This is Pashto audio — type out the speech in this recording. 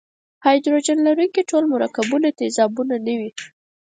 هایدروجن لرونکي ټول مرکبونه تیزابونه نه وي.